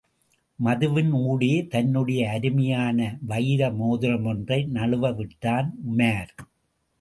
மதுவின் ஊடே, தன்னுடைய அருமையான வைர மோதிரமொன்றை நழுவ விட்டான் உமார்.